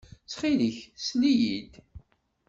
Ttxil-k, sel-iyi-d.